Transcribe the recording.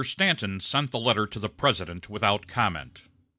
Stanton sent the letter to the President without comment.